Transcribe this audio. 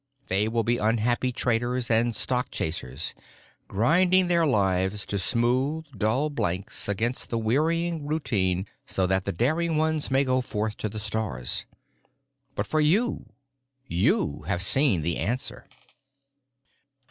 They will be unhappy traders and stock chasers, grinding their lives to smooth dull blanks against the wearying routine so that the daring ones may go forth to the stars. But for you—you have seen the answer.